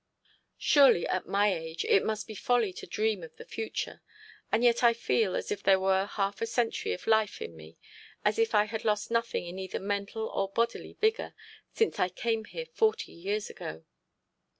'Surely at my age it must be folly to dream of the future; and yet I feel as if there were half a century of life in me, as if I had lost nothing in either mental or bodily vigour since I came here forty years ago.'